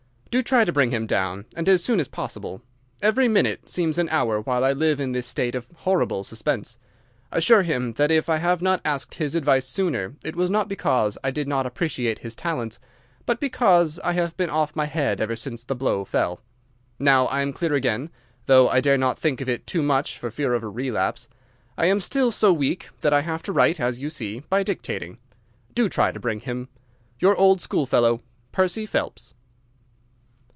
Do try to bring him down, and as soon as possible. Every minute seems an hour while I live in this state of horrible suspense. Assure him that if I have not asked his advice sooner it was not because I did not appreciate his talents, but because I have been off my head ever since the blow fell. Now I am clear again, though I dare not think of it too much for fear of a relapse. I am still so weak that I have to write, as you see, by dictating. Do try to bring him. Your old schoolfellow, Percy Phelps.